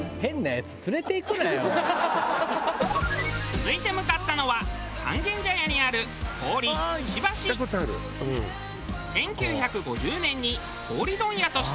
続いて向かったのは三軒茶屋にある１９５０年に氷問屋として開業。